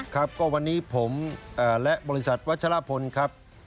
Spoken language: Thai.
ครับก็วันนี้ผมและบริษัทวัชลพลครับ